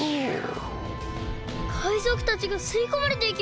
かいぞくたちがすいこまれていきます！